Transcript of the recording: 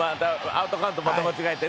アウトカウントまた間違えて。